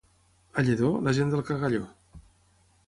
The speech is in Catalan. A Lledó, la gent del cagalló.